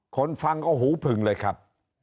คนฟังก็หูผึงเลยครับ